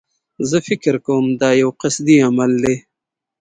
زه فکر کوم دایو قصدي عمل دی.